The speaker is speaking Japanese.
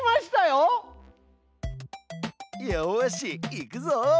よしいくぞ！